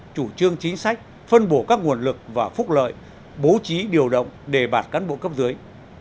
chủ trương chính sách phân bổ các nguồn lực và phúc lợi bố trí điều động đề bạt cán bộ cấp dưới